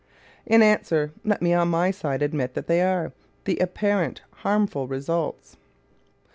In answer, let me on my side admit that they are the apparent harmful results.